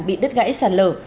bị đứt gãy sàn lở